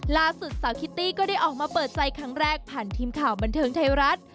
ล่าสุดสาวคิตตี้ก็ได้ออกมาเปิดใจครั้งแรกผ่านทีมข่าวบันเทิงไทยรัฐ